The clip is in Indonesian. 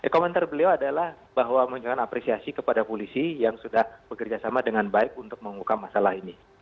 komentar beliau adalah bahwa menunjukkan apresiasi kepada polisi yang sudah bekerjasama dengan baik untuk mengukam masalah ini